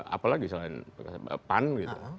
apalagi selain pan gitu